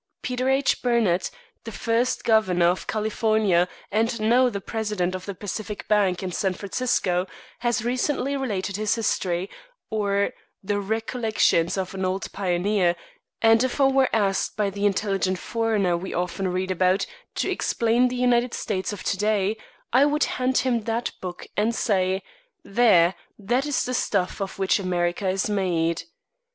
Peter H. Burnett, the first Governor of California, and now the President of the Pacific Bank in San Francisco, has recently related his history, or the "Recollections of an Old Pioneer;" and if I were asked by the "intelligent foreigner" we often read about to explain the United States of to day, I would hand him that book, and say: "There! That is the stuff of which America is made."